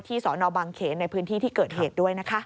สอนอบังเขนในพื้นที่ที่เกิดเหตุด้วยนะคะ